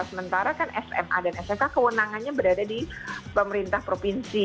sementara kan sma dan smk kewenangannya berada di pemerintah provinsi